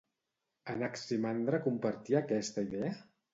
Anaximandre compartia aquesta idea?